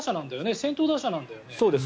先頭打者なんだよね。